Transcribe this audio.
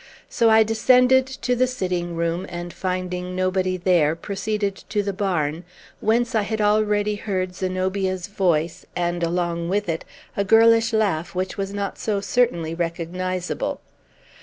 So I descended to the sitting room, and finding nobody there, proceeded to the barn, whence I had already heard Zenobia's voice, and along with it a girlish laugh which was not so certainly recognizable.